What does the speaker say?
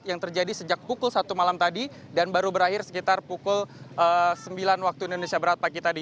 yang terjadi sejak pukul satu malam tadi dan baru berakhir sekitar pukul sembilan waktu indonesia barat pagi tadi